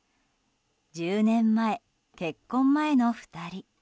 １０年前、結婚前の２人。